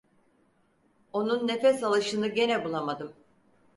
Onun nefes alışını gene bulamadım.